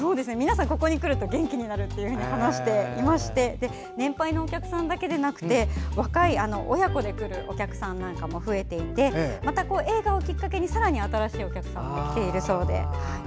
ここに来ると元気になると話していまして年配の方だけでなくて若い親子で来るお客さんも増えていて、映画をきっかけにさらに新しいお客さんも来ているそうで。